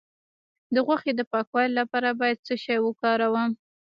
د غوښې د پاکوالي لپاره باید څه شی وکاروم؟